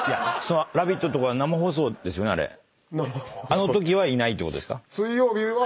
あのときはいないってことですか？